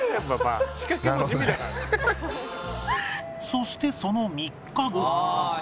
そしてその３日後